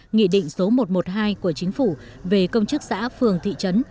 nghị định số một trăm một mươi hai của chính phủ về công chức xã phường thị trấn